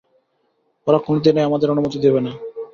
ওরা কোনোদিনই আমাদের অনুমতি দেবে না।